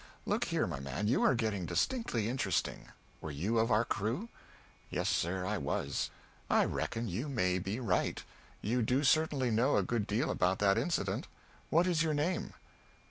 Look here, my man, you are getting distinctly interesting. Were you of our crew?" "Yes, sir, I was." "I reckon you may be right. You do certainly know a good deal about that incident. What is your name?"